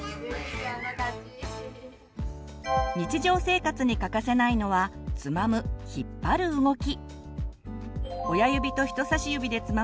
日常生活に欠かせないのはつまむ引っ張る動き。